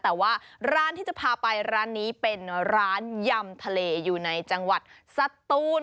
แต่ว่าร้านที่จะพาไปร้านนี้เป็นร้านยำทะเลอยู่ในจังหวัดสตูน